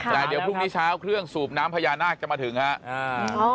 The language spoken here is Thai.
แต่เดี๋ยวพรุ่งนี้เช้าเครื่องสูบน้ำพญานาคจะมาถึงครับ